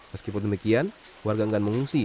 meskipun demikian warga enggak mengungsi